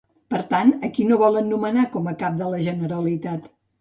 Per tant, a qui no volen nomenar com a cap de la Generalitat?